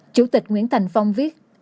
chủ tịch nguyễn thành phong viết